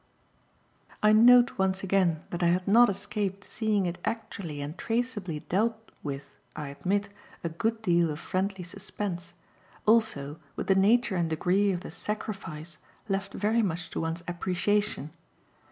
I note once again that I had not escaped seeing it actually and traceably dealt with (I admit) a good deal of friendly suspense; also with the nature and degree of the "sacrifice" left very much to one's appreciation.